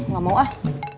gak mau ah